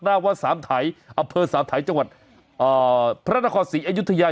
หน้าวัดสามไทยอำเภอสามไทยจังหวัดพระนครศรีอยุธยา